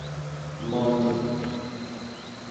monto